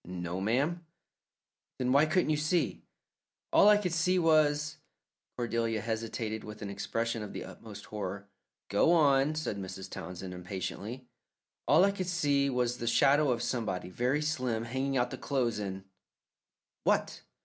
"No, ma'am." "Then why couldn't you see?" "All I could see was " Cordelia hesitated, with an expression of the utmost horror. "Go on," said Mrs. Townsend, impatiently. "All I could see was the shadow of somebody, very slim, hanging out the clothes, and " "What?"